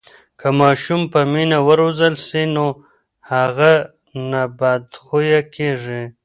که ماشوم په مینه و روزل سي نو هغه نه بدخویه کېږي.